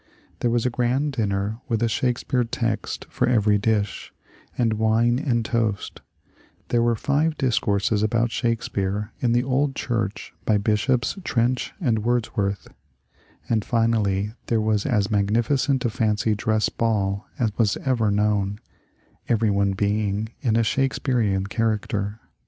There was a grand din ner, with a Shakespeare text for every dish, and wine and toast; there were five discourses about Shakespeare in the old church by Bishops Trench and Wordsworth ; and finally there was as magnificent a fancy dress ball as was ever known, — every one being in a Shakespearian character.